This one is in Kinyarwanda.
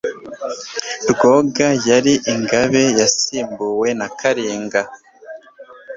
Rwoga yari ingabe yasimbuwe na Kalinga,